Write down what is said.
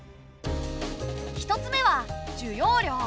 １つ目は需要量。